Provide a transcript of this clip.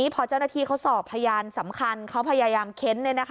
พอเจ้าหน้าที่เขาสอบพยานสำคัญเขาพยายามเค้น